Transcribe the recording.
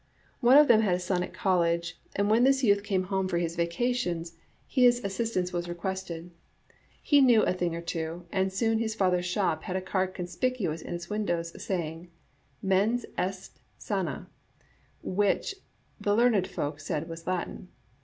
One of them had a son at college, and when this youth came home for his vacations his assistance was requested. He knew a thing or two, and soon his father's shop had a card conspicuous in its window, saying. Mens est Sana^ which the learned folk said was Latin.